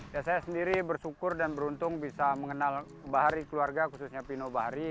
ya saya sendiri bersyukur dan beruntung bisa mengenal bahari keluarga khususnya pino bahari